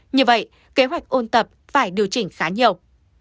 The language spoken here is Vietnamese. như vậy kế hoạch ôn tập phải điều chỉnh khá nhiều